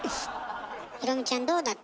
裕美ちゃんどうだった？